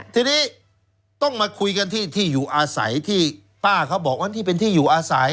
ทีนี้ต้องมาคุยกันที่ที่อยู่อาศัยที่ป้าเขาบอกว่านี่เป็นที่อยู่อาศัย